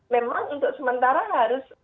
memang untuk sementara harus